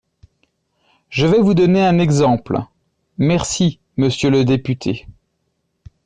Je vais vous donner un exemple… Merci, monsieur le député.